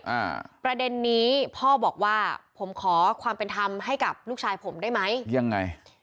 อ่าประเด็นนี้พ่อบอกว่าผมขอความเป็นธรรมให้กับลูกชายผมได้ไหมยังไง